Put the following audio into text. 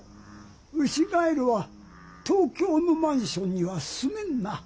ウシガエルは東京のマンションにはすめんな。